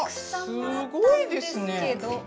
うわすごいですね。